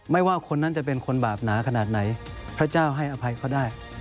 ไม่ว่าคนนั้นจะเป็นคนบาปหนาขนาดไหนพระเจ้าให้อภัยเขาได้